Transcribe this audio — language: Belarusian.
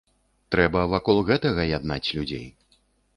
Трэба вакол гэтага яднаць людзей.